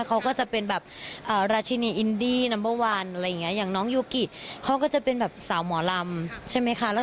เขาก็จะเป็นแบบราชินีอินดี้นัมเบอร์วันอะไรอย่างนี้อย่างน้องยูกิเขาก็จะเป็นแบบสาวหมอลำใช่ไหมคะ